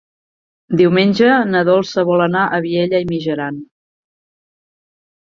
Diumenge na Dolça vol anar a Vielha e Mijaran.